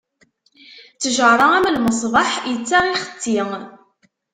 Ttjaṛa am lmesbeḥ, ittaɣ, ixetti.